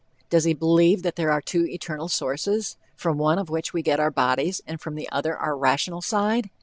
Does he believe that there are two eternal sources, from one of which we get our bodies, and from the other our "rational side?"